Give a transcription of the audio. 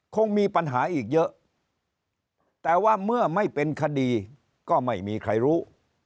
คงมีปัญหาอีกเยอะแต่ว่าเมื่อไม่เป็นคดีก็ไม่มีใครรู้